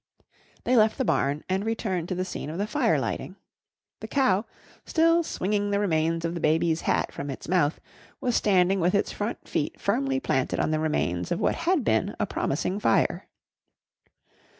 They left the barn and returned to the scene of the fire lighting. The cow, still swinging the remains of the baby's hat from its mouth, was standing with its front feet firmly planted on the remains of what had been a promising fire.